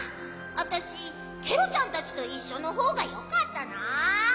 あたしケロちゃんたちといっしょのほうがよかったな。